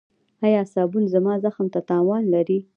ایا صابون زما زخم ته تاوان لري؟